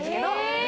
・え！？